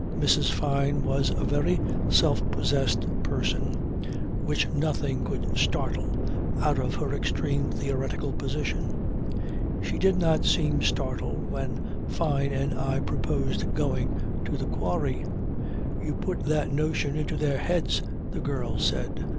Mrs. Fyne was a very self possessed person which nothing could startle out of her extreme theoretical position. She did not seem startled when Fyne and I proposed going to the quarry. "You put that notion into their heads," the girl said.